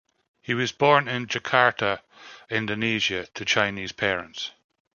He was born in Jakarta, Indonesia, to Chinese parents.